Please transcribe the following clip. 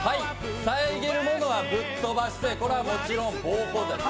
さえぎるものはぶっ飛ばして、これはもちろん暴行罪。